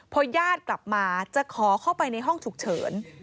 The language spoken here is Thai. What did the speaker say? พอญาติกลับมาจะขอเข้าไปในห้องฉุกเฉิน